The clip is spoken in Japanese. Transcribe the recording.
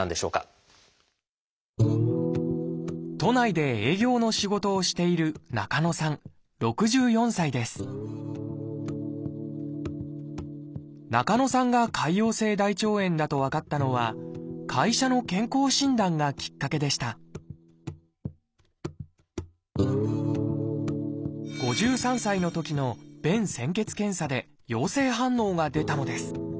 都内で営業の仕事をしている中野さんが潰瘍性大腸炎だと分かったのは会社の健康診断がきっかけでした５３歳のときの便潜血検査で陽性反応が出たのです。